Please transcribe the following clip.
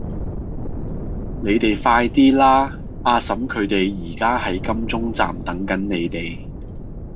你哋快啲啦!阿嬸佢哋而家喺金鐘站等緊你哋